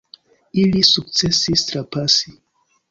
Ili sukcesis trapasi!